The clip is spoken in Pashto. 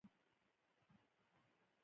بانکي سیستم په هیواد کې فعال دی